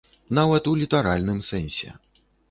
Нават у літаральным сэнсе.